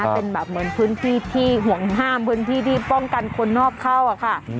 เป็นแบบเหมือนพื้นที่ที่ห่วงห้ามพื้นที่ที่ป้องกันคนนอกเข้าค่ะ